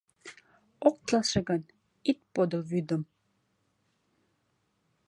Ок келше гын, ит подыл вӱдым.